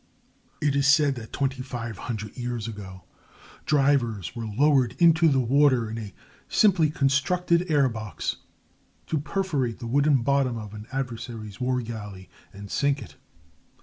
It is said that twenty five hundred years ago divers were lowered into the water in a simply constructed air box, to perforate the wooden bottom of an adversary's war galley and sink it.